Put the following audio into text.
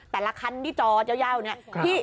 แต่ละคันที่จอเยาวอยู่นี่